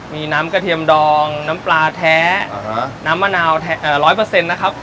มีน้ำกระเทียมดองน้ำปลาแท้น้ำมะนาว๑๐๐นะครับ